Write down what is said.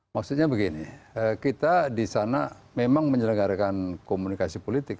maksudnya begini kita di sana memang menyelenggarakan komunikasi politik